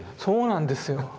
そうなんですよ。